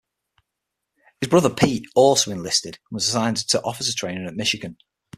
His brother, Pete, also enlisted and was assigned to officer training at Michigan.